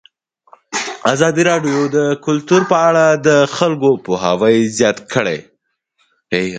ازادي راډیو د کلتور په اړه د خلکو پوهاوی زیات کړی.